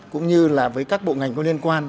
cũng như là với các bộ ngành có liên quan